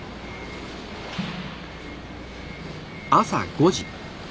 朝５時。